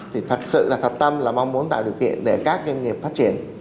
thì thật sự là thật tâm là mong muốn tạo điều kiện để các doanh nghiệp phát triển